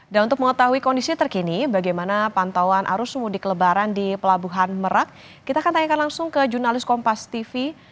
dan untuk mengetahui kondisi terkini bagaimana pantauan arus pemudik lebaran di pelabuhan merak kita akan tanyakan langsung ke jurnalis kompas tv